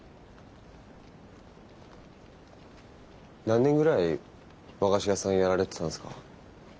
何年ぐらい和菓子屋さんやられてたんですか？